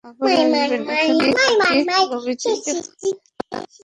আবার আসবেন এখানে নাকি লবিতে?